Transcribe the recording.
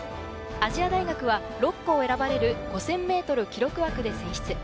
亜細亜大学は６区を選ばれる、５０００ｍ記録枠で選出。